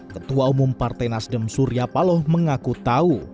ketua umum partai nasdem surya paloh mengaku tahu